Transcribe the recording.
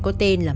có tên là